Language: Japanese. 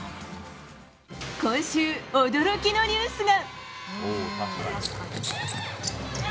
今週、驚きのニュースが。